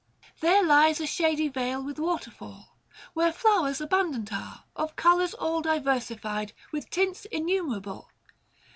There lies a shady vale, with waterfall, Where flowers abundant are, of colours all 480 Diversified, with tints innumerable.